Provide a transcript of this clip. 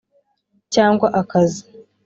cyangwa akazi